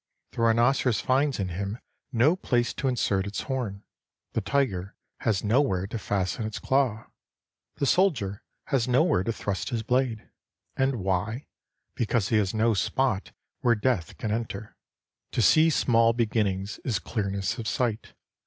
The rhinoceros finds in him no place to insert its horn ; the tiger has nowhere to fasten its claw ; the soldier has nowhere to thrust his blade. And why ? Because he has no spot where death can enter. To see small beginnings is clearness of sight.